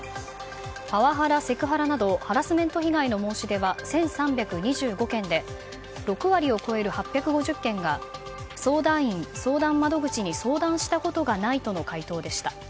パワハラ、セクハラなどハラスメント被害の申し出は１３２５件で６割を超える８５０件が相談員、相談窓口に相談したことがないとの回答でした。